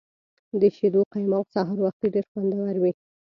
د شیدو قیماق سهار وختي ډیر خوندور وي.